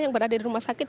yang berada di rumah sakit